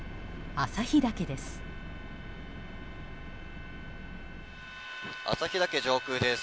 旭岳上空です。